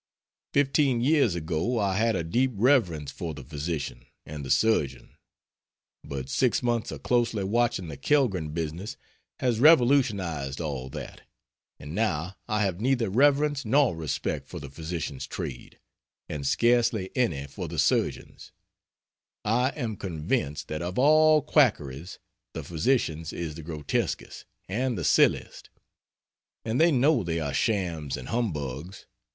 Fifteen years ago I had a deep reverence for the physician and the surgeon. But 6 months of closely watching the Kellgren business has revolutionized all that, and now I have neither reverence nor respect for the physician's trade, and scarcely any for the surgeon's, I am convinced that of all quackeries, the physician's is the grotesquest and the silliest. And they know they are shams and humbugs.